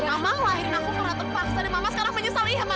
mama lahirin aku perhatian paksa dan mama sekarang menyesal iya ma